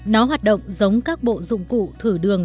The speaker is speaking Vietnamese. nó hoạt động giống các bộ dụng cụ thử đường